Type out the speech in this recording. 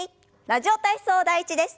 「ラジオ体操第１」です。